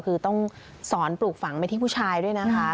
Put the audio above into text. คือต้องสอนปลูกฝังไปที่ผู้ชายด้วยนะคะ